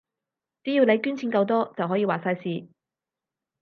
只要你捐錢夠多，就可以話晒事